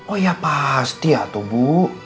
oh ya pasti ya tuh bu